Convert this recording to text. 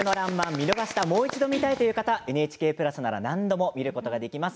見逃した、もう一度見たいという方、ＮＨＫプラスなら何度も見ることができます。